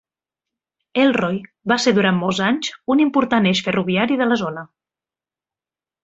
Elroy va ser durant molts anys un important eix ferroviari de la zona.